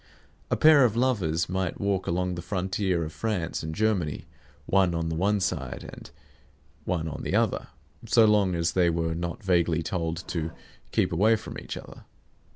A pair of lovers might walk along the frontier of France and Germany, one on the one side and one on the other, so long as they were not vaguely told to keep away from each other.